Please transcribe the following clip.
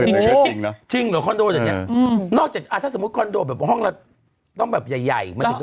โอ้โหจริงจริงเนอะ